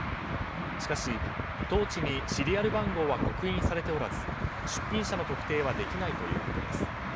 しかし、トーチにシリアル番号は刻印されておらず出品者の特定はできないということです。